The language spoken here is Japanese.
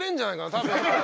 多分。